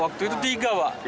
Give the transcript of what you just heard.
waktu itu tiga pak